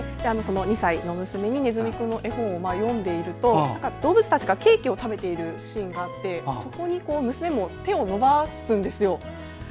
２歳の娘にねずみくんの絵本を読んでいると動物たちがケーキを食べているシーンがあってそこに娘も手を伸ばすんですよ。